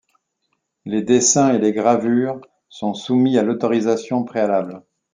Les dessins et les gravures sont soumis à l’autorisation préalable.